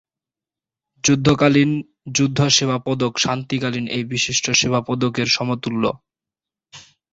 যুদ্ধকালীন যুদ্ধ সেবা পদক শান্তিকালীন এই বিশিষ্ট সেবা পদকের সমতুল্য।